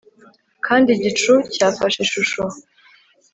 Kandi igicu cyafashe ishusho